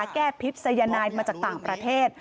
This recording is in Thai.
แก้พิษสัญญาณมาจากต่างประเทศ